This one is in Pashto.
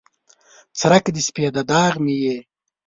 څرک د سپیده داغ مې یې